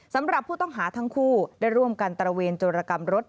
สำหรับผู้ต้องหาทั้งคู่ได้ร่วมกันตระเวนโจรกรรมรถ